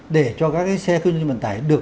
để cho các cái xe không nhân vận tải